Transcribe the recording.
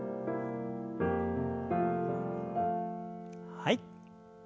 はい。